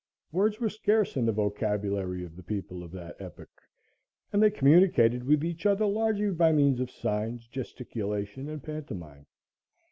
Words were scarce in the vocabulary of the people of that epoch, and they communicated with each other largely by means of signs, gesticulation and pantomime.